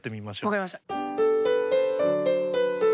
分かりました。